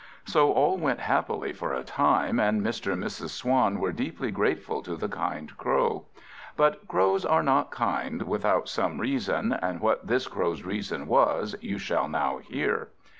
So all went happily for a time, and Mr. and Mrs. Swan were deeply grateful to the kind Crow. But Crows are not kind without some reason, and what this Crow's reason was, you shall now hear.